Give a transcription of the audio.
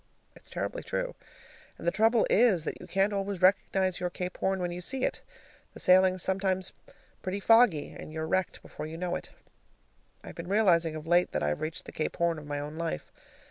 It's terribly true; and the trouble is that you can't always recognize your Cape Horn when you see it. The sailing is sometimes pretty foggy, and you're wrecked before you know it. I've been realizing of late that I have reached the Cape Horn of my own life.